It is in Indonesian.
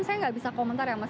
saya nggak bisa komentar ya mas